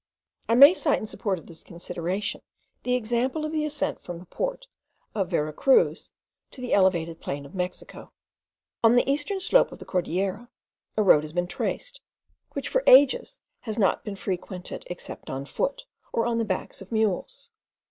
I may cite in support of this consideration the example of the ascent from the port of Vera Cruz to the elevated plain of Mexico. On the eastern slope of the Cordillera a road has been traced, which for ages has not been frequented except on foot, or on the backs of mules.